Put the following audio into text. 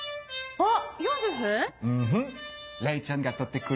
あっ！